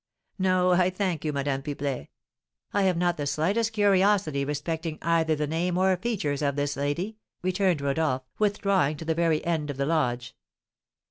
"No, I thank you, Madame Pipelet; I have not the slightest curiosity respecting either the name or features of this lady," returned Rodolph, withdrawing to the very end of the lodge.